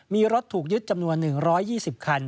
มีรถถูกยึดจำนวน๑๒๐คัน